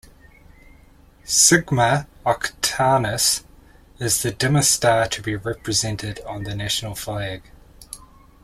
Sigma Octantis is the dimmest star to be represented on a national flag.